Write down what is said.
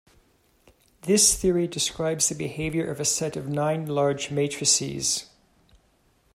This theory describes the behavior of a set of nine large matrices.